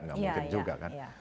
gak mungkin juga kan